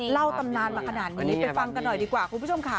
ตำนานมาขนาดนี้ไปฟังกันหน่อยดีกว่าคุณผู้ชมค่ะ